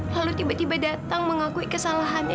lalu tiba tiba datang mengakui kesalahannya